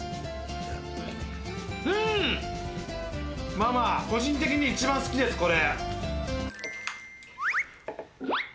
ママ、個人的に一番好きです、これ。